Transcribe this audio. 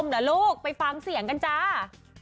เหรอลูกไปฟังเสียงกันจ้า